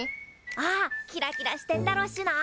ああキラキラしてんだろっしな。